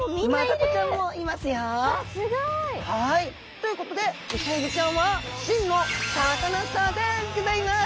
ということでイセエビちゃんは真のサカナスターでギョざいます。